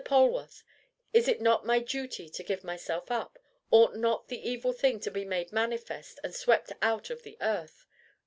Polwarth, is it not my duty to give myself up? Ought not the evil thing to be made manifest and swept out of the earth?